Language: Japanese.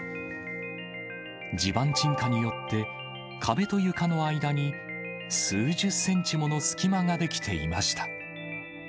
地盤沈下によって、壁と床の間に数十センチもの隙間が出来ていました。